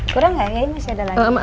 kurang nggak ya ini masih ada lagi